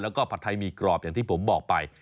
แล้วก็ผัดไทยมีกรอบอย่างที่ผมบอกไป